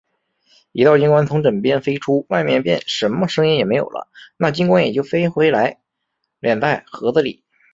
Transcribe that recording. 一道金光从枕边飞出，外面便什么声音也没有了，那金光也就飞回来，敛在盒子里。